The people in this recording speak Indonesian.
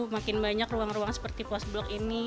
makin banyak ruang ruang seperti post blok ini